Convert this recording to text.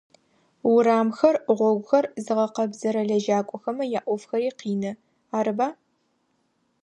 Урамхэр, гъогухэр зыгъэкъэбзэрэ лэжьакӏохэмэ яӏофхэри къины, арыба?